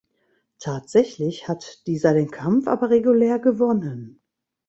Tatsächlich hat dieser den Kampf aber regulär gewonnen.